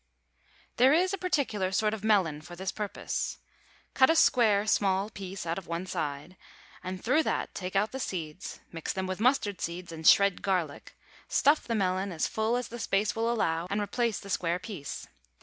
There is a particular sort of melon for this purpose. Cut a square small piece out of one side, and through that take out the seeds, mix with them mustard seeds and shred garlic, stuff the melon as full as the space will allow, and replace the square piece.